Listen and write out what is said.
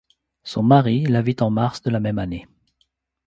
Son mari la vit en mars de la même année.